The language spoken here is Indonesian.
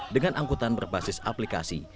dengan angkutan berbasis aplikasi